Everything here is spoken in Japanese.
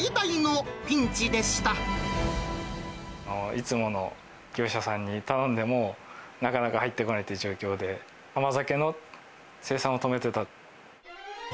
いつもの業者さんに頼んでも、なかなか入ってこないっていう状況で、甘酒の生産を止めてた。